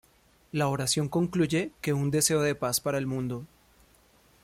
La oración concluye que un deseo de paz para el mundo.